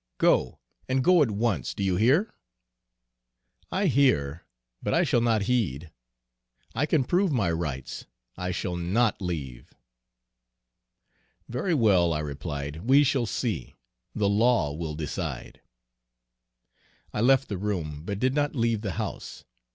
Go, and go at once, do you hear?' "'I hear, but I shall not heed. I can prove my rights! I shall not leave!' "'Very well,' I replied, 'we shall see. The law will decide.' "I left the room, but did not leave the house.